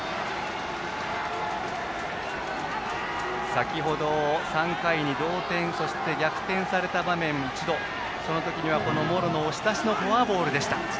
先程、３回に同点そして逆転された場面その時には茂呂の押し出しのフォアボールでした。